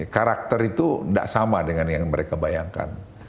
karakter itu nggak sama dengan yang mereka bayangkan